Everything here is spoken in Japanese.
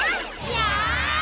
やあ！